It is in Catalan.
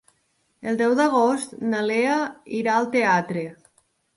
El deu d'agost na Lea irà al teatre.